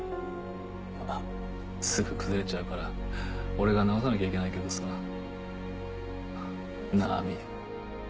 まぁすぐ崩れちゃうから俺が直さなきゃいけないけどさ。なぁ亜美。